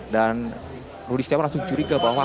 dan rudy setiawan langsung curi ke bawah